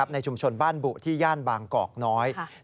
ในชุมชนบ้านบุที่ย่านบางกอกน้อย